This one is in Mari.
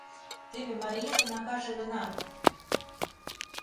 Теве мариетын акаже гына...